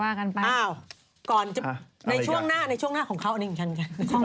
ว่ากันไปอะไรกันในช่วงหน้าของเขาอันนี้เหมือนกันไง